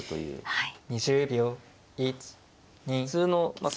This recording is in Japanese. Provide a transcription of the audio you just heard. はい。